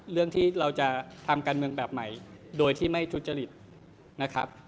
เรื่องที่เราจะทำการเมืองแบบใหม่โดยที่ไม่ทุจริตนะครับ